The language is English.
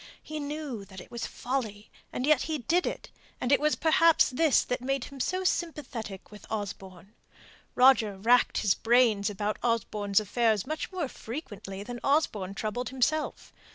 He knew that it was folly and yet he did it; and it was perhaps this that made him so sympathetic with Osborne. Roger racked his brains about Osborne's affairs much more frequently than Osborne troubled himself.